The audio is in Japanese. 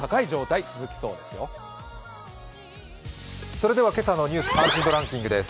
それでは今朝の「ニュース関心度ランキング」です。